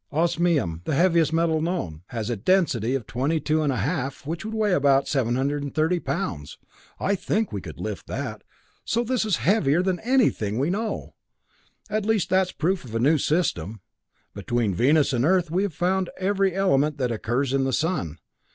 "Osmium, the heaviest known metal, has a density of twenty two and a half, which would weigh about 730 pounds. I think we could lift that, so this is heavier than anything we know. At least that's proof of a new system. Between Venus and Earth we have found every element that occurs in the sun.